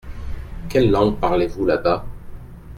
Quelle langue parlez-vous là-bas ?